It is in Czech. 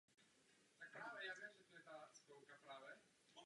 Soud ho odsoudil na doživotí v psychiatrické léčebně ve státě Saskatchewan.